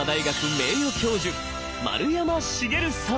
名誉教授丸山茂さん。